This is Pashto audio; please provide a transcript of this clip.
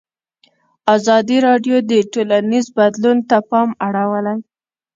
ازادي راډیو د ټولنیز بدلون ته پام اړولی.